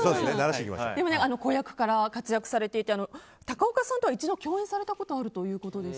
でも子役から活躍されていて高岡さんとは一度共演されたことがあるということで。